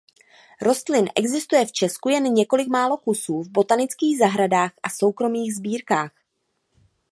Rostlin existuje v Česku jen několik málo kusů v botanických zahradách a soukromých sbírkách.